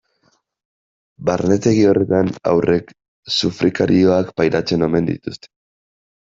Barnetegi horretan haurrek sufrikarioak pairatzen omen dituzte.